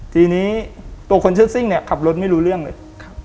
ทีนี้ตัวคนชื่อซิ่งเนี่ยขับรถไม่รู้เรื่องเลย